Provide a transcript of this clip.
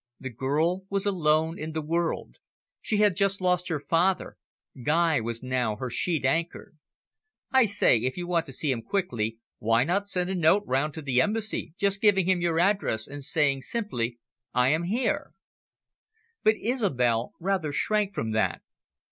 The girl was alone in the world. She had just lost her father; Guy was now her sheet anchor. "I say, if you want to see him quickly, why not send a note round to the Embassy, just giving him your address, and saying simply, `I am here'?" But Isobel rather shrank from that.